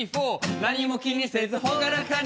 何も気にせず朗らかに。